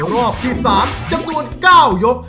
รอบที่๓จำนวน๙ยก